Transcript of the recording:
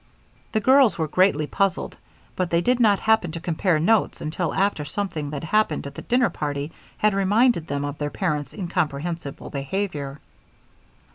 The girls were greatly puzzled, but they did not happen to compare notes until after something that happened at the dinner party had reminded them of their parents' incomprehensible behavior.